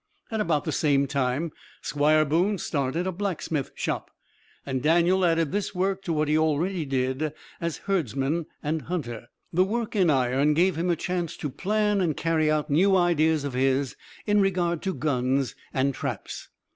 At about the same time Squire Boone started a blacksmith shop, and Daniel added this work to what he already did as herdsman and hunter. The work in iron gave him a chance to plan and carry out new ideas of his in regard to guns and traps.